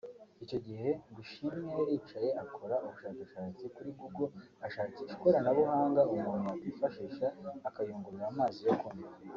Icyo gihe ngo Ishimwe yaricaye akora ubushakashatsi kuri Google ashakisha ikoranabuhanga umuntu yakwifashisha akayungurura amazi yo kunywa